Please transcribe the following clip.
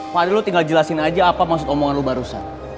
pak dulu tinggal jelasin aja apa maksud omongan lu barusan